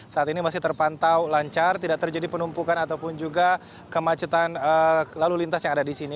saat ini masih terpantau lancar tidak terjadi penumpukan ataupun juga kemacetan lalu lintas yang ada di sini